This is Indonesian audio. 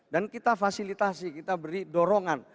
dan kita fasilitasi kita beri dorongan